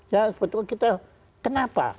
ya sebetulnya kita kenapa